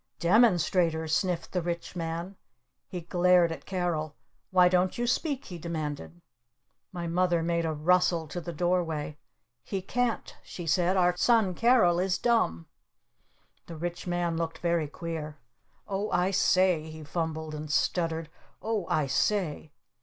"'Demonstrators?'" sniffed the Rich Man. He glared at Carol. "Why don't you speak?" he demanded. My mother made a rustle to the door way. "He can't," she said. "Our son Carol is dumb." The Rich Man looked very queer. "Oh, I say," he fumbled and stuttered. "Oh, I say